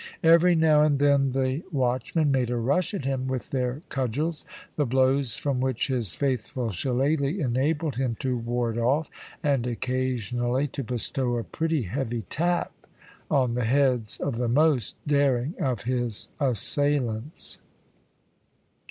Every now and then the watchmen made a rush at him with their cudgels, the blows from which his faithful shillaly enabled him to ward off, and occasionally to bestow a pretty heavy tap on the heads of the most daring of his assailants.